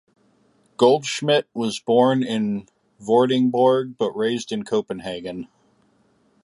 Goldschmidt was born in Vordingborg but raised in Copenhagen.